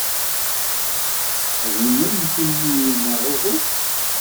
Tesxedmemt-iyi, neɣ uhu?